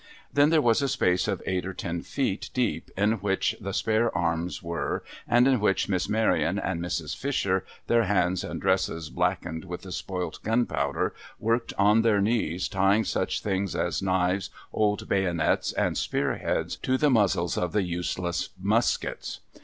Then there was a space of eight or ten feet deep, in which the spare arms were, and in which Miss Maryon and Mrs. Fisher, their hands and dresses blackened with the spoilt gunpowder, worked on their knees, tying such things as knives, old bayonets, and spear heads, to the muzzles of the useless muskets.